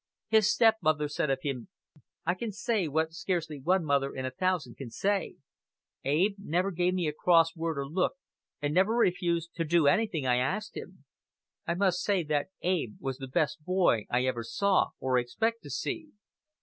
His stepmother said of him: "I can say, what scarcely one mother in a thousand can say, Abe never gave me a cross word or look, and never refused... to do anything I asked him.... I must say.. that Abe was the best boy I ever saw or expect to see."